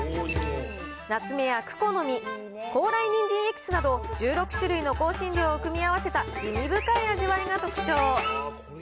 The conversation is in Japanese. なつめやクコの実、高麗人参エキスなど１６種類の香辛料を組み合わせた滋味深い味わいが特徴。